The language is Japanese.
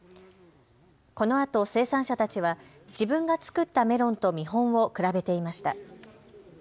このあと生産者たちは自分が作ったメロンと見本を比べていました。